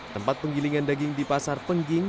tempat penggilingan daging di pasar pengging